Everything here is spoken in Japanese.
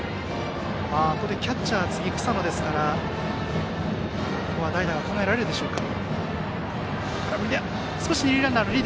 次はキャッチャーの草野ですからここは代打が考えられるでしょうか。